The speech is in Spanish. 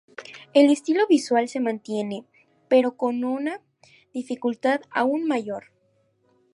El estilo visual se mantiene, pero con una dificultad aún mayor.